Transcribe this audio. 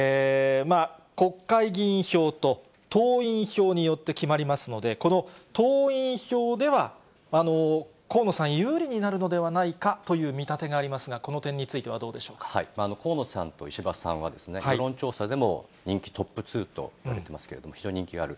国会議員票と、党員票によって決まりますので、この党員票では、河野さん、有利になるのではないかという見立てがありますが、河野さんと石破さんはですね、世論調査でも人気トップ２といわれていますけれども、非常に人気がある。